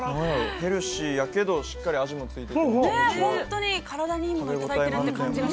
◆ヘルシーやけど、しっかり味もついてるし。